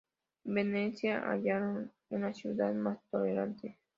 En Venecia hallaron una ciudad más tolerante.